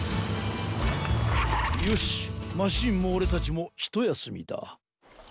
よしマシンもオレたちもひとやすみだ。